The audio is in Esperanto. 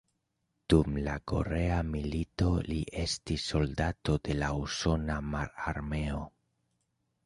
Dum la korea milito li estis soldato de la usona mararmeo.